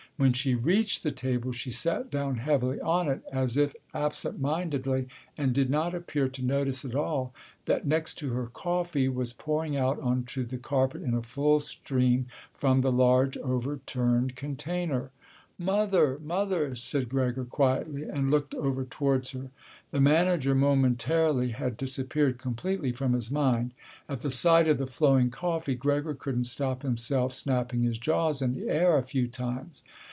When she reached the table, she sat down heavily on it, as if absent mindedly, and did not appear to notice at all that next to her coffee was pouring out onto the carpet in a full stream from the large overturned container. "Mother, mother," said Gregor quietly, and looked over towards her. The manager momentarily had disappeared completely from his mind. At the sight of the flowing coffee Gregor couldn't stop himself snapping his jaws in the air a few times